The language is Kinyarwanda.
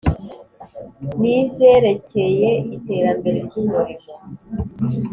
N izerekeye iterambere ry umurimo